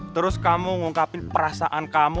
terus kamu ngungkapin perasaan kamu